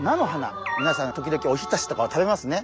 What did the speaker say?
みなさん時々おひたしとかを食べますね。